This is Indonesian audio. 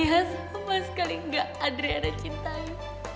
ya sama sekali gak adriana cintai